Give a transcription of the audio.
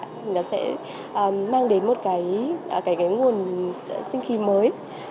thì nó sẽ mang đến một cái nguồn sinh khí mới